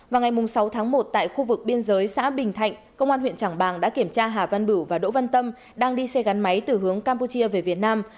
vào ngày sáu tháng một tại khu vực biên giới xã bình thạnh công an huyện trảng bàng đã kiểm tra hà văn bửu và đỗ văn tâm đang đi xe gắn máy từ hướng campuchia về việt nam